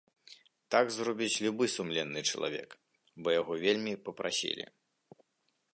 Так зробіць любы сумленны чалавек, бо яго вельмі папрасілі.